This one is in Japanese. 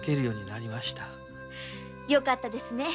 良かったですね。